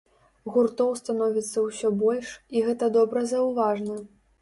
Гуртоў становіцца ўсё больш, і гэта добра заўважна.